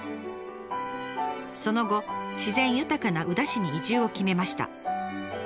その後自然豊かな宇陀市に移住を決めました。